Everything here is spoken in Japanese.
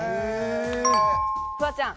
フワちゃん。